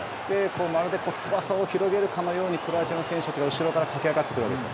まるで翼を広げるかのようにクロアチアの選手たちが後ろから駆け上がってくるわけですよ。